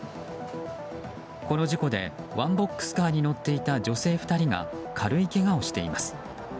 この事故でワンボックスカーに乗っていた女性２人が軽いけがをしています。